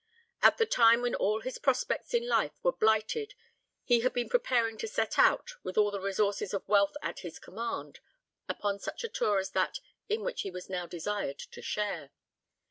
At the time when all his prospects in life were blighted he had been preparing to set out, with all the resources of wealth at his command, upon such a tour as that in which he was now desired to share.